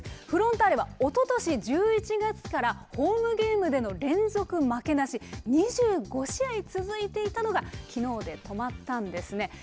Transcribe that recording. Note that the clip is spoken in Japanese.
フロンターレはおととし１１月からホームゲームでの連続負けなし、２５試合続いていたのが、きのうで止まったんですね。